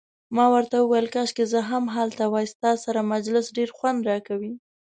ما ورته وویل: کاشکي زه هم هلته وای، ستا سره مجلس ډیر خوند راکوي.